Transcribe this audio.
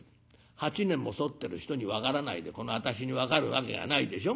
８年も添ってる人に分からないでこの私に分かるわけがないでしょ。